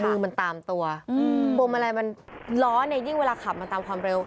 มือมันตามตัวโบมะลายมันร้อนยิ่งเวลาขับมันตามความเร็ว